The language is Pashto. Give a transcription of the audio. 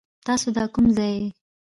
تاسو دا کوم ځای يي ؟